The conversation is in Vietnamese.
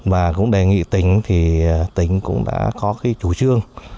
và cũng đề nghị tỉnh thì tỉnh cũng đã có cái chủ trương